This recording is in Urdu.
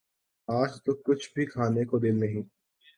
آج تو کچھ بھی کھانے کو دل نہیں